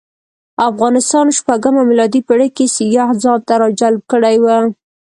افغانستان شپږمه میلادي پېړۍ کې سیاح ځانته راجلب کړی و.